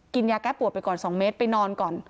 ยาแก้ปวดไปก่อน๒เมตรไปนอนก่อน